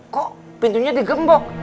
kok pintunya digembok